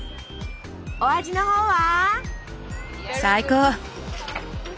お味のほうは？